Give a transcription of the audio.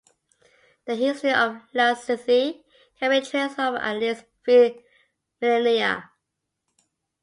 The history of Lasithi can be traced over at least three millennia.